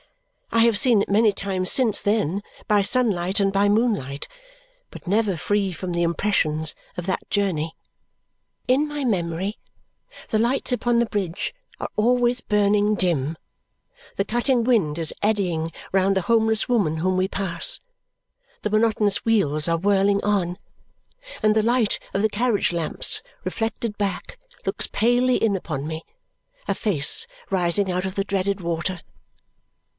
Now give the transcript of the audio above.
I have seen it many times since then, by sunlight and by moonlight, but never free from the impressions of that journey. In my memory the lights upon the bridge are always burning dim, the cutting wind is eddying round the homeless woman whom we pass, the monotonous wheels are whirling on, and the light of the carriage lamps reflected back looks palely in upon me a face rising out of the dreaded water.